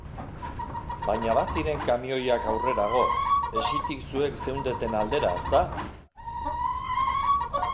Baina baziren kamioiak aurrerago, hesitik zuek zeundeten aldera, ezta?